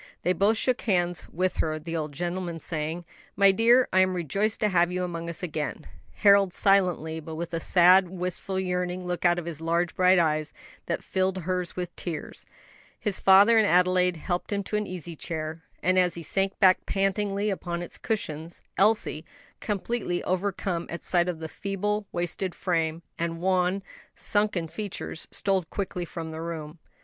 They both shook hands with her, the old gentleman saying, "My dear, I am rejoiced to have you among us again;" Harold silently, but with a sad, wistful, yearning look out of his large bright eyes, that filled hers with tears. His father and Adelaide helped him to an easy chair, and as he sank back pantingly upon its cushions, Elsie completely overcome at sight of the feeble, wasted frame, and wan, sunken features stole quickly from the room.